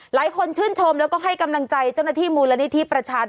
หลายคนชื่นชมแล้วก็ให้กำลังใจเจ้าหน้าที่มูลนิธิประชาชน